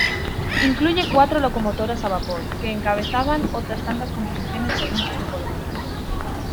Incluye cuatro locomotoras a vapor, que encabezaban otras tantas composiciones según su tipología.